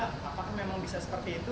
apakah memang bisa seperti itu